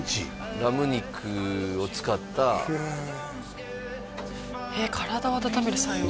ラム肉を使った体を温める作用